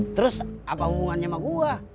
terus apa hubungannya sama gua